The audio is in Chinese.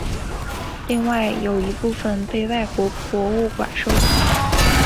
另外有一部份被外国博物馆收藏。